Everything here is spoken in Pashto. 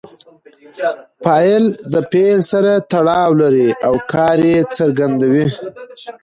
فاعل د فعل سره تړاو لري او کار ئې څرګندوي.